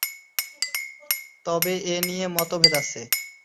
তবে এ নিয়ে মতভেদ আছে।